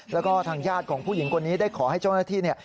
แล้วก็ทางญาติของผู้หญิงคนนี้ได้ขอให้เจ้าหน้าที่เนี่ย